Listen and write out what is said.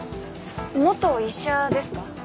元医者ですか？